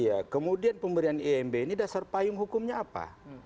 iya kemudian pemberian imb ini dasar payung hukumnya apa